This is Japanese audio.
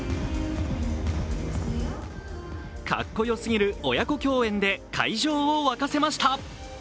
かっこよすぎる親子共演で会場を沸かせました。